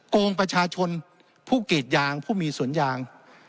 โกงประชาชนผู้กรีดยางผู้มีสวนยาง